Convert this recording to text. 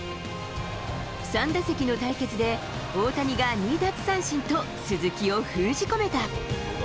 ３打席の対決で大谷が２奪三振と鈴木を封じ込めた。